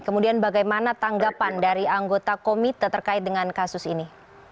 kemudian bagaimana tanggapan dari anggota komite terkait dengan kasus ini